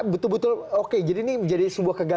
betul betul oke jadi ini menjadi sebuah kegagalan